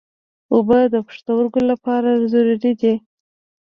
اوبه د پښتورګو لپاره ضروري دي.